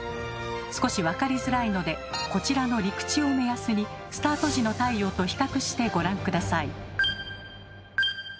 少し分かりづらいのでこちらの陸地を目安にスタート時の太陽と比較してご覧下さい。